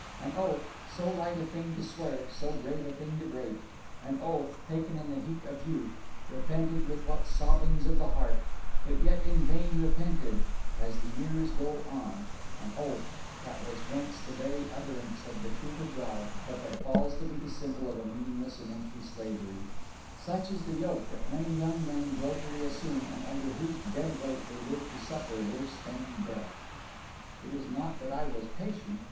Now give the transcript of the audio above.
An oath, so light a thing to swear, so grave a thing to break: an oath, taken in the heat of youth, repented with what sobbings of the heart, but yet in vain repented, as the years go on: an oath, that was once the very utterance of the truth of God, but that falls to be the symbol of a meaningless and empty slavery; such is the yoke that many young men joyfully assume, and under whose dead weight they live to suffer worse than death. 'It is not that I was patient.